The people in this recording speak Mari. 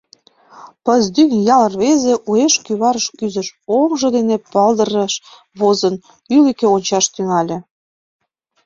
Пыздӱҥ ял рвезе уэш кӱварыш кӱзыш, оҥжо дене пылдырыш возын, ӱлыкӧ ончаш тӱҥале.